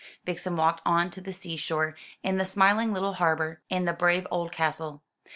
Vixen walked on to the seashore, and the smiling little harbour, and the brave old castle.